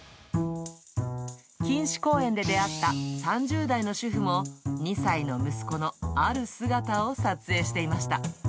錦糸公園で出会った３０代の主婦も、２歳の息子のある姿を撮影していました。